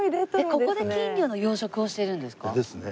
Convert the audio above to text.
ここで金魚の養殖をしてるんですか？ですね。